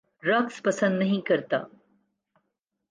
رقص پسند نہیں کرتا